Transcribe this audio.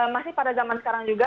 masih pada zaman sekarang juga